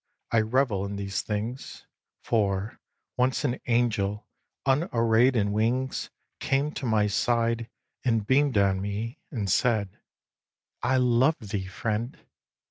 I revel in these things; For, once an angel, unarray'd in wings, Came to my side, and beam'd on me, and said: "I love thee, friend!"